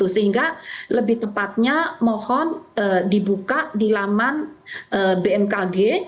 sehingga lebih tepatnya mohon dibuka di laman bmkg